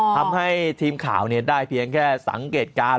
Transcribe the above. ทำให้ทีมข่าวได้เพียงแค่สังเกตการณ์